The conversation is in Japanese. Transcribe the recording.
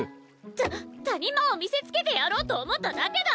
た谷間を見せつけてやろうと思っただけだ！